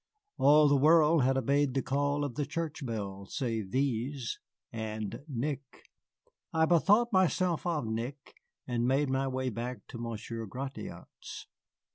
All the world had obeyed the call of the church bell save these and Nick. I bethought myself of Nick, and made my way back to Monsieur Gratiot's.